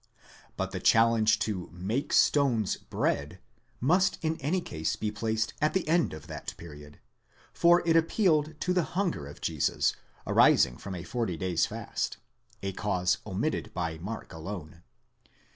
But the challenge to make stones bread must in any case be placed at the end of that period, for it appealed to the hunger of Jesus, arising from a forty days' fast (a cause omitted by Mark alone).